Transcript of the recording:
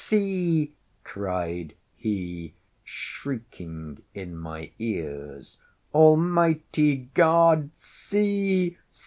see!" cried he, shrieking in my ears, "Almighty God! see!